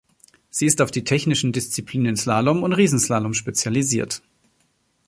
Sie ist auf die technischen Disziplinen Slalom und Riesenslalom spezialisiert.